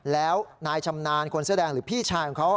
แล้วนายชำนาญคนเสื้อแดงหรือพี่ชายของเขา